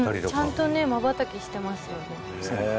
ちゃんとまばたきしてますよね。